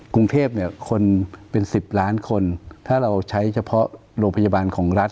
กรุงเทพเนี่ยคนเป็น๑๐ล้านคนถ้าเราใช้เฉพาะโรงพยาบาลของรัฐ